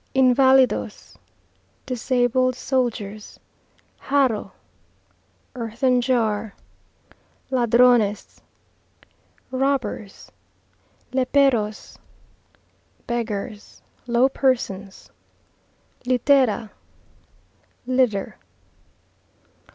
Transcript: _Invalidos Disabled soldiers. Jarro Earthen jar. Ladrones Robbers. Léperos Beggars, low persons. Litera Litter.